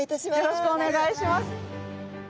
よろしくお願いします。